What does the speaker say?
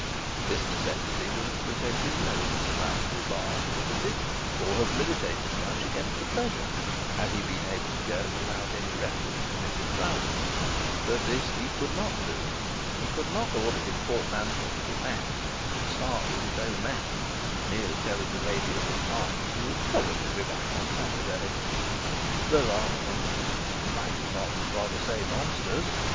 This necessity would have presented an insurmountable bar to the visit, or have militated against the pleasure, had he been able to go without reference to Mrs Proudie. But this he could not do. He could not order his portmanteau to be packed, and start with his own man, merely telling the lady of his heart that he would probably be back on Saturday. There are men may we not rather say monsters?